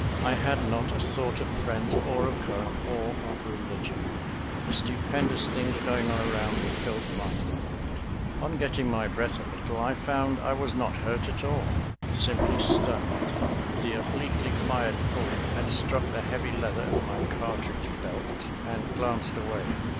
I had not a thought of friends, or of home, or of religion. The stupendous things going on around me filled my mind. On getting my breath a little I found I was not hurt at all, simply stunned; the obliquely fired bullet had struck the heavy leather of my cartridge belt and glanced away.